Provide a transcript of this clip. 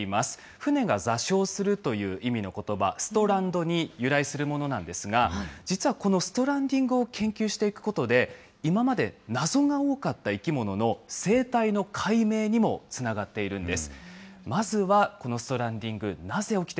船が座礁するという意味のことば、ＳＴＲＡＮＤに由来するものなんですが、実はこのストランディングを研究していくことで、今まで謎が多かった生き物の生態の解明にもつながっているんです。